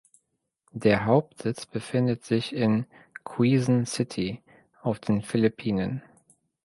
Der Hauptsitz befindet sich in Quezon City auf den Philippinen.